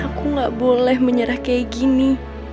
aku gak boleh menyerah kayak gini